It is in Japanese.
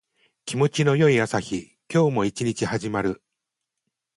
気持ちの良い朝日。今日も一日始まる。